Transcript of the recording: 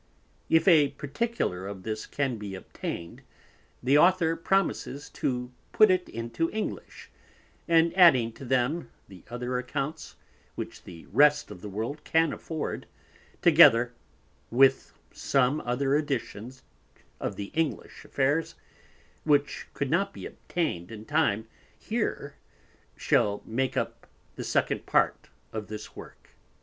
If a particular of this can be obtained, the Author Promises to put it into English, and adding to them the other Accounts, which the rest of the World can afford, together with some other Additions of the English Affairs, which could not be obtain'd in time here shall make up the second part of this Work.